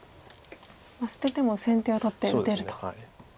捨てても先手を取って打てると。